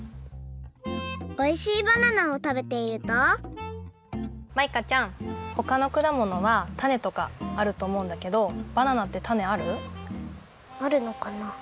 おいしいバナナをたべているとマイカちゃんほかのくだものはタネとかあるとおもうんだけどあるのかな？